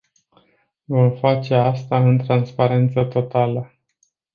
Vom face asta în transparență totală.